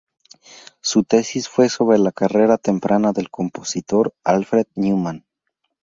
Su tesis fue sobre la carrera temprana del compositor Alfred Newman.